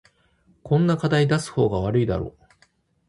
こんな課題出す方が悪いだろ